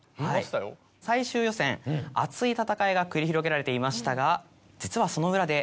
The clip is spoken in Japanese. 最終予選熱い戦いが繰り広げられていましたが実は。